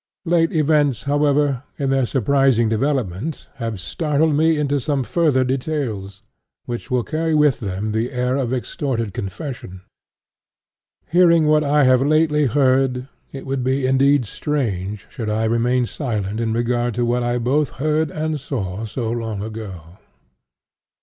Late events, however, in their surprising development, have startled me into some farther details, which will carry with them the air of extorted confession. Hearing what I have lately heard, it would be indeed strange should I remain silent in regard to what I both heard and saw so long ago.